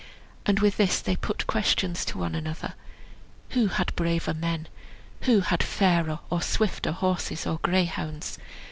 And with this they put questions one to another, Who had braver men? Who had fairer or swifter horses or greyhounds?